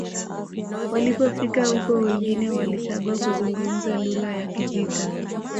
walipofika huko wengine walichagua kuzungumza lugha ya kijita